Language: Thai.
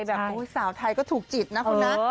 แบบโอ้ยสาวไทยก็ถูกจิตน่ะคุณน่ะ